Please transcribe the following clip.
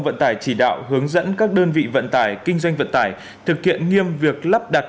vận tải chỉ đạo hướng dẫn các đơn vị vận tải kinh doanh vận tải thực hiện nghiêm việc lắp đặt